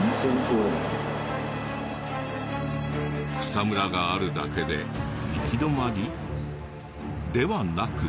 草むらがあるだけで行き止まりではなく。